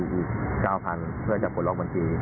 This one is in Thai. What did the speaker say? ๙๐๐๐บาทเพื่อจับผลลอกบัญชี